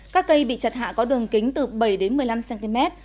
các cây bị chặt hạ có đường kính từ bảy đến một mươi năm cm